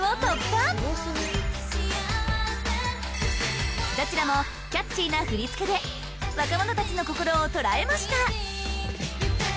ほんと幸せどちらもキャッチーな振り付けで若者達の心を捉えました！